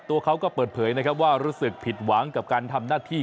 ตัวก็เปิดเผยไม่รู้สึกผิดหวังกับการทำหน้าที่